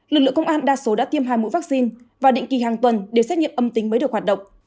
lực lượng công an đa số đã tiêm hai mũi vaccine và định kỳ hàng tuần đều xét nghiệm âm tính mới được hoạt động